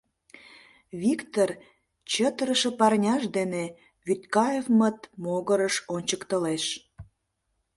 — Виктыр чытырыше парняж дене Вӱдкаевмыт могырыш ончыктылеш.